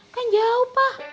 kan jauh pa